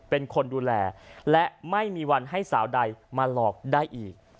เป็นคนดูแลและไม่มีวันให้สาวใดมาหลอกได้อีก